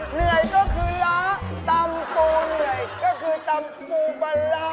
เหนื่อยก็คือล้าตำปูเหนื่อยก็คือตำปูบาล่า